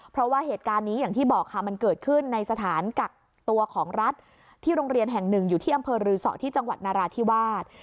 เพราะว่าเหตุการณ์นี้อย่างที่บอกค่ะมันเกิดขึ้นในสถานกักตัวของรัฐที่โรงเรียนแห่งหนึ่งอยู่ที่อำเภอรือสอที่จังหวัดนาราธิวาส